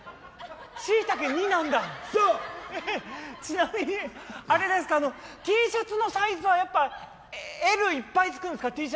しいたけ２なんだそうちなみにあれですかＴシャツのサイズはやっぱＬいっぱいつくんですか？